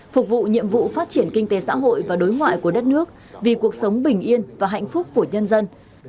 phục vụ nhiệm vụ phát triển kinh tế xã hội và đối ngoại của đất nước vì cuộc sống bình yên và hạnh phúc của nhân dân